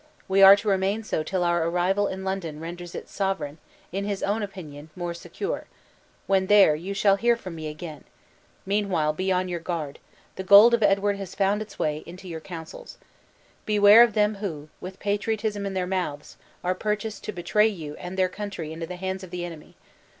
We are to remain so till our arrival in London renders its sovereign, in his own opinion, more secure: when there, you shall hear from me again. Meanwhile, be on your guard: the gold of Edward has found its way into your councils. Beware of them who, with patriotism in their mouths, are purchased to betray you and their country into the hands of the enemy!